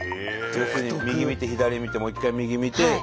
右見て左見てもう一回右見て。